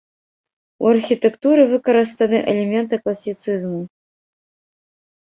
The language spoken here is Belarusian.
У архітэктуры выкарыстаны элементы класіцызму.